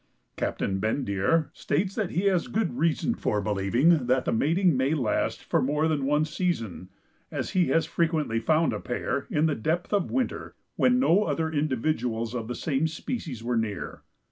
Captain Bendire states that he has good reason for believing that the mating may last for more than one season, as he has frequently found a pair, in the depth of winter, when no other individuals of the same species were near.